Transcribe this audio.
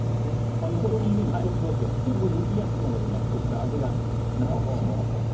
むきやすくなりますしここから味が中から染み出しますので。